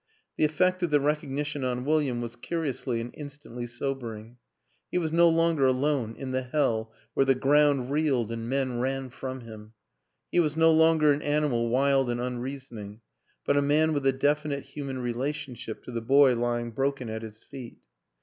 The effect of the recognition on William was curiously and instantly sobering; he was no longer alone in the hell where the ground reeled and men ran from him; he was no longer an animal wild and unreasoning, but a man with a definite human re lationship to the boy lying broken at his feet.